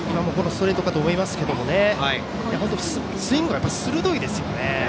ストレートかと思いますけどスイングが鋭いですよね。